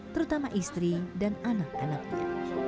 terutama istri dan anak anaknya